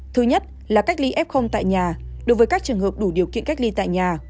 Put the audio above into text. thứ nhất là cách ly f tại nhà đối với các trường hợp đủ điều kiện cách ly tại nhà